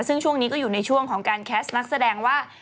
ซึ่งช่วงนี้ก็อยู่ในช่วงของการแคสต์นักแสดงว่า